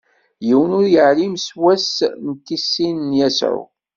Yiwen ur iɛlim s wass n tisin n Yasuɛ.